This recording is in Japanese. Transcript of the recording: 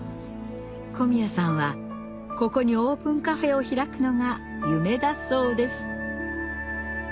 小宮さんはここにオープンカフェを開くのが夢だそうです